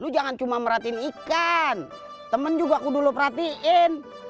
lu jangan cuma merhatiin ikan temen juga aku dulu perhatiin